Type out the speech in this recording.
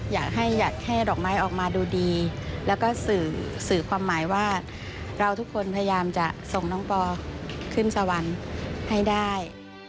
อยากให้อยากให้ดอกไม้ออกมาดูดีแล้วก็สื่อความหมายว่าเราทุกคนพยายามจะส่งน้องปอขึ้นสวรรค์ให้ได้